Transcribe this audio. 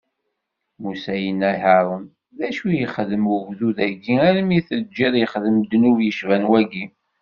Musa yenna i Haṛun: D acu i k-ixdem ugdud-agi armi i t-teǧǧiḍ ixdem ddnub yecban wagi?